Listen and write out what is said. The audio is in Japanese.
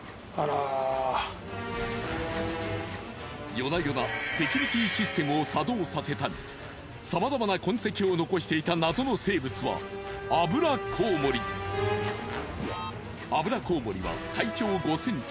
夜な夜なセキュリティーシステムを作動させたりさまざまな痕跡を残していた謎の生物はアブラコウモリは体長５ｃｍ。